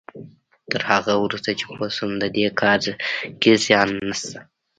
تر هغه وروسته چې پوه شو په دې کار کې زيان نشته.